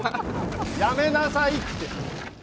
やめなさいって！